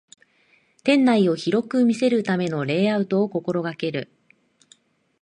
店内を広く見せるためのレイアウトを心がける